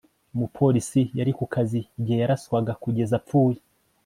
umupolisi yari ku kazi igihe yaraswaga kugeza apfuye